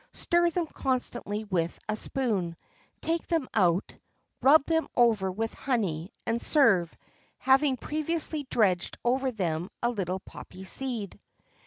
Stir them constantly with a spoon; take them out; rub them over with honey, and serve, having previously dredged over them a little poppy seed.